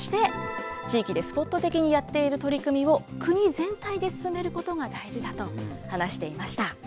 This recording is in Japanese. そして、地域でスポット的にやっている取り組みを、国全体で進めることが大事だと話していました。